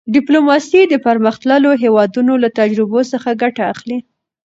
ډیپلوماسي د پرمختللو هېوادونو له تجربو څخه ګټه اخلي.